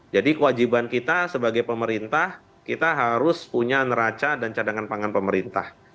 jadi kewajiban kita sebagai pemerintah kita harus punya neraca dan cadangan pangan pemerintah